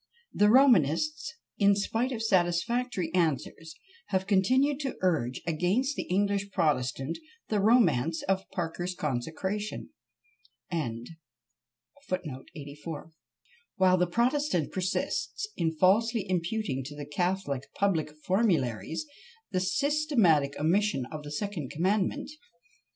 The Romanists, in spite of satisfactory answers, have continued to urge against the English protestant the romance of Parker's consecration; while the protestant persists in falsely imputing to the catholic public formularies the systematic omission of the second commandment.